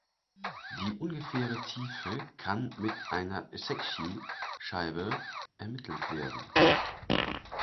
Die ungefähre Tiefe kann mit einer Secchi-Scheibe ermittelt werden.